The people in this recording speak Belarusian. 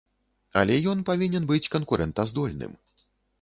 Але ён павінен быць канкурэнтаздольным.